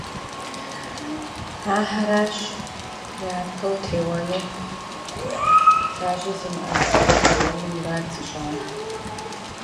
Именно они приняли решение совершить нападения на гражданское население.